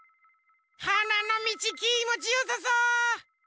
はなのみちきもちよさそう！